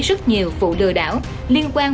rất nhiều vụ lừa đảo liên quan